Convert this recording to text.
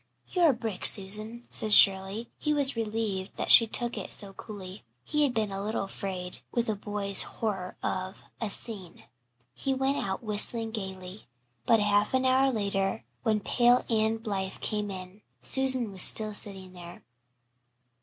"You're a brick, Susan," said Shirley. He was relieved that she took it so coolly he had been a little afraid, with a boy's horror of "a scene." He went out whistling gaily; but half an hour later, when pale Anne Blythe came in, Susan was still sitting there.